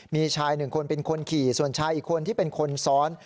มีชายหนึ่งคนเป็นคนขี่ส่วนชายอีกคนที่เป็นคนซ้อน